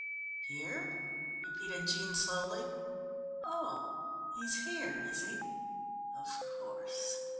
"Here?" repeated Jean slowly. "Oh, he's here, is he? Of course."